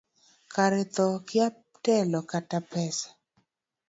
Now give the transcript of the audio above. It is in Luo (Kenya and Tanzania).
Kara thoo kia telo kata pesa.